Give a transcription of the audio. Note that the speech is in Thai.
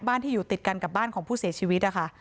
ที่อยู่ติดกันกับบ้านของผู้เสียชีวิตนะคะ